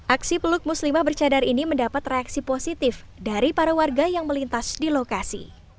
aksi peluk muslimah bercadar ini mendapat reaksi positif dari para warga yang melintas di lokasi